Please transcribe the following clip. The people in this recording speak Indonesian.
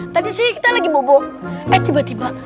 tadi sih kita lagi mobo eh tiba tiba